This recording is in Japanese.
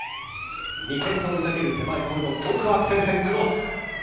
２点差を追い掛ける手前コルドン、奥、アクセルセン、クロス。